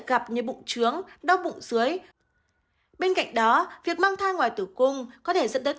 gặp như bụng trướng đau bụng dưới bên cạnh đó việc mang thai ngoài tử cung có thể dẫn đến